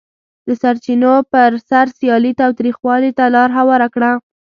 د سرچینو پر سر سیالي تاوتریخوالي ته لار هواره کړه.